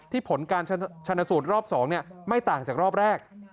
ผลการชนสูตรรอบ๒ไม่ต่างจากรอบแรก